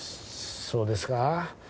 そうですか？